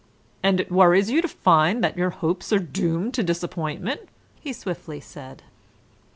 "And it worries you to find that your hopes are doomed to disappointment," he swiftly said.